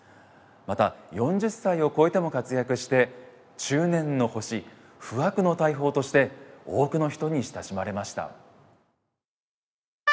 また４０歳を超えても活躍して「中年の星」「不惑の大砲」として多くの人に親しまれました。